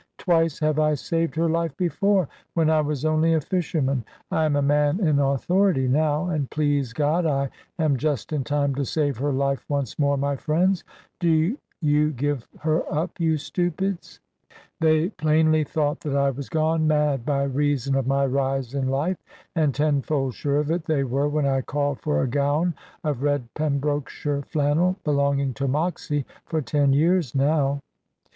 Twice have I saved her life before, when I was only a fisherman. I am a man in authority now; and please God, I am just in time to save her life, once more, my friends. Do you give her up, you stupids?" They plainly thought that I was gone mad, by reason of my rise in life; and tenfold sure of it they were, when I called for a gown of red Pembrokeshire flannel, belonging to Moxy for ten years now.